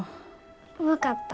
分かった。